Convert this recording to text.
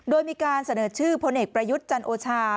โดยมีการเสนอชื่อพลเอกประยุทธ์จันโอชา